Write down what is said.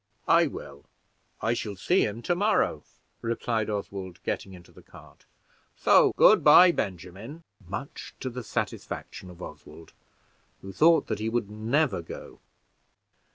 "I will: I shall see him to morrow." replied Oswald, getting into the cart; "so good by, Benjamin," much to the satisfaction of Oswald, who thought that he would never go.